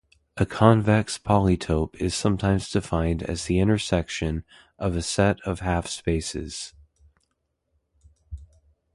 A convex polytope is sometimes defined as the intersection of a set of half-spaces.